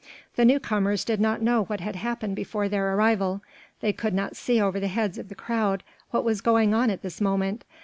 The new comers did not know what had happened before their arrival. They could not see over the heads of the crowd what was going on at this moment.